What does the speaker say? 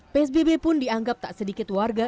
psbb pun dianggap tak sedikit warga